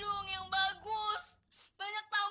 eh nasional itu tahulah